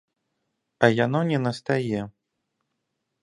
А яно не настае.